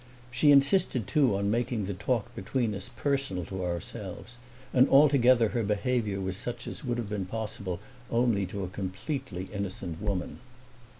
She insisted too on making the talk between us personal to ourselves; and altogether her behavior was such as would have been possible only to a completely innocent woman.